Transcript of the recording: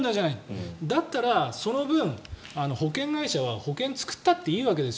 だったらその分保険会社は保険を作ったっていいわけです。